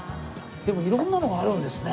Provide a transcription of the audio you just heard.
でも色んなのがあるんですね。